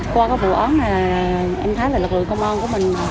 qua các vụ ón này em thấy là lực lượng công an của mình